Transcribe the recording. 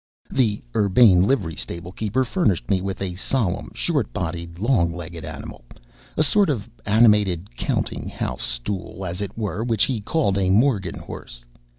The urbane livery stable keeper furnished me with a solemn, short bodied, long legged animal a sort of animated counting house stool, as it were which he called a "Morgan" horse.